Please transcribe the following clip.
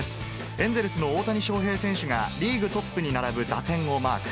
エンゼルスの大谷翔平選手が、リーグトップに並ぶ打点をマーク。